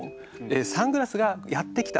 サングラスがやってきた。